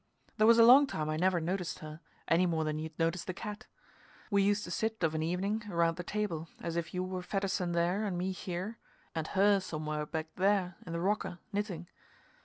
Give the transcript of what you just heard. There was a long time I never noticed her, any more than you'd notice the cat. We used to sit of an evening around the table, as if you were Fedderson there, and me here, and her somewhere back there, in the rocker, knitting.